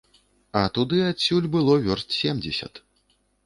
А туды адсюль было вёрст семдзесят.